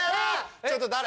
ちょっと誰？